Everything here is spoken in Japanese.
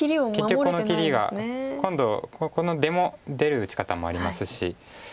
結局この切りが今度この出も出る打ち方もありますし。